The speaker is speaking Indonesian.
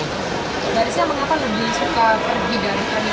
dari siapa mengapa lebih suka pergi dari terminal purabaya